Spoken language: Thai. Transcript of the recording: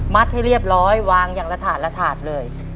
มัดให้เรียบร้อยวางอย่างละถาดเลย